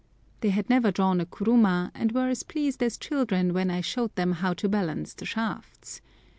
They had never drawn a kuruma, and were as pleased as children when I showed them how to balance the shafts.